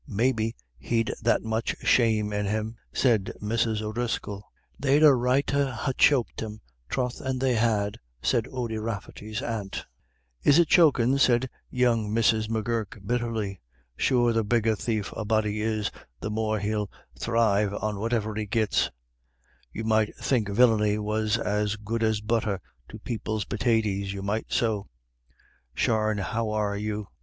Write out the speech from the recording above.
"Maybe he'd that much shame in him," said Mrs. O'Driscoll. "They'd a right to ha' choked him, troth and they had," said Ody Rafferty's aunt. "Is it chokin'?" said young Mrs. M'Gurk, bitterly. "Sure the bigger thief a body is, the more he'll thrive on whatever he gits; you might think villiny was as good as butter to people's pitaties, you might so. Sharne how are you?